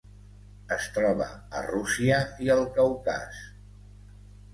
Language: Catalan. Es troba a Rússia i el Caucas.